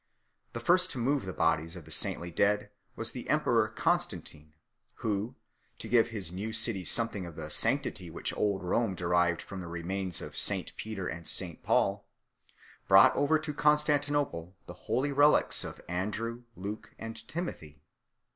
The first to move the bodies of the saintly dead was the emperor Constantine 3 , who, to give his new city something of the sanctity which old Rome derived from the remains of St Peter and St Paul, brought over to Constantinople the holy relics of Andrew, Luke, and Timothy*.